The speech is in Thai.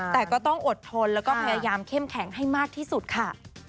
แต่ก็ต้องอดทนแล้วก็พยายามเข้มแข็งให้มากที่สุดค่ะ